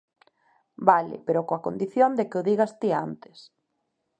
_Vale, pero coa condición de que o digas ti antes.